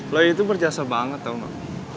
lo ini tuh berjasa banget tau gak